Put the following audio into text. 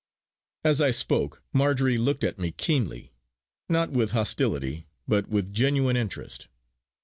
As I spoke, Marjory looked at me keenly, not with hostility, but with genuine interest.